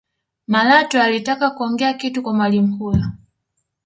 malatwe alitaka kuongea kitu kwa mwalimu huyo